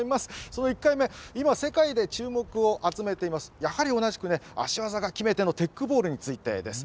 その１回目、世界で注目を集めています、やはり同じく足技が決め手のテックボールについてです。